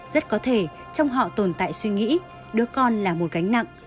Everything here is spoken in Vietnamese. rất có thể trong họ tồn tại suy nghĩ đứa con là một gánh nặng